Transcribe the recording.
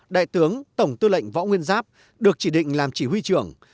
đại tướng tổng tư lệnh võ nguyên giáp được chỉ định làm chỉ huy trưởng